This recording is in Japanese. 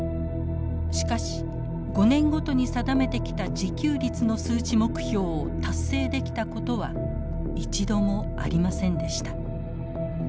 しかし５年ごとに定めてきた自給率の数値目標を達成できたことは一度もありませんでした。